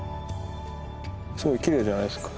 すごいきれいじゃないですか。